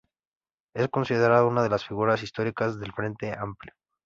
Es considerado una de las figuras históricas del Frente Amplio.